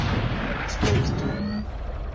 spektu